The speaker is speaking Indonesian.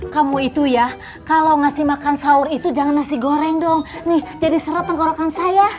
kamu itu ya kalau ngasih makan sahur itu jangan nasi goreng dong nih jadi serat tenggorokan saya